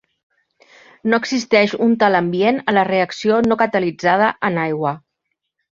No existeix un tal ambient a la reacció no catalitzada en aigua.